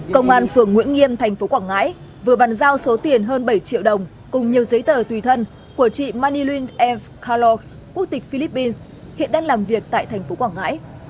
công an phường nguyễn nghiêm thành phố quảng ngãi vừa bàn giao số tiền hơn bảy triệu đồng cùng nhiều giấy tờ tùy thân của chị maniun ere kalo quốc tịch philippines hiện đang làm việc tại thành phố quảng ngãi